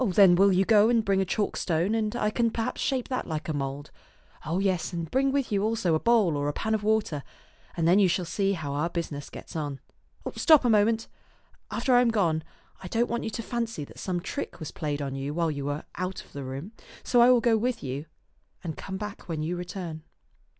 Then will you go and bring a chalk stone, and I can perhaps shape that like a mould. Oh yes, and bring with you also a bowl or a pan of water ; and thei. you shall see how our busi ness gets on. Stop a moment. After I am gone, I don't want you to fancy that some trick was played you while you were out of the room, and so I will go with you and come back when you return."